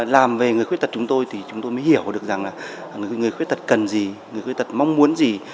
làm về người khuyết tật chúng tôi thì chúng tôi mới hiểu được rằng là người khuyết tật cần gì người khuyết tật mong muốn gì